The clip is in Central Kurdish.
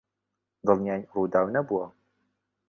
دڵنیاین ڕووداو نەبووە.